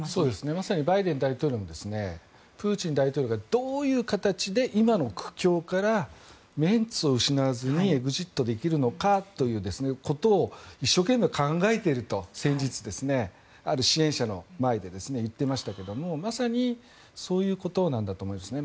まさにバイデン大統領もプーチン大統領がどういう形で今の苦境からメンツを失わずにイグジットできるのかということを一生懸命考えていると先日、ある支援者の前で言っていましたけれどまさにそういうことなんだと思いますね。